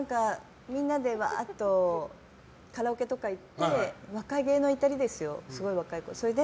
みんなでわーっとカラオケとか行って若気の至りですよ。